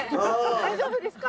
大丈夫ですか？